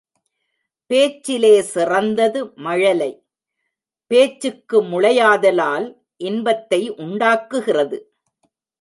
பேச்சிலே சிறந்தது மழலை, பேச்சுக்கு முளையாதலால் இன்பத்தை உண்டாக்குகிறது.